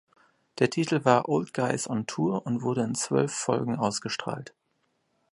Der Titel war "Old Guys on Tour" und wurde in zwölf Folgen ausgestrahlt.